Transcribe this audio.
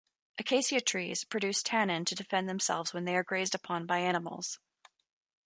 Acacia trees produce tannin to defend themselves when they are grazed upon by animals.